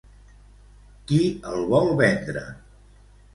Qui el vol vendre?